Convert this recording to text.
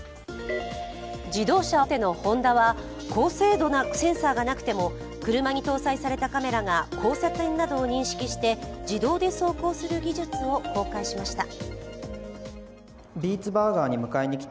自動車大手のホンダは高精度なセンサーがなくても車に搭載されたカメラが交差点などを認識して自動で走行する技術を公開しました。